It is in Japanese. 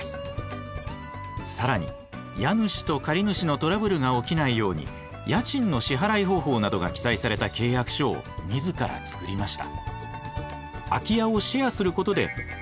更に家主と借主のトラブルが起きないように家賃の支払い方法などが記載された契約書を自ら作りました。